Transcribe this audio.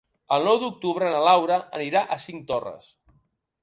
El nou d'octubre na Laura anirà a Cinctorres.